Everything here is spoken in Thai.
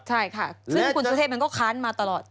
ใช่ค่ะซึ่งคุณสุเทพมันก็ค้านมาตลอด